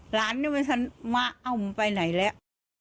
หลานนี่มันฉันว่าเอามันไปไหนแล้ว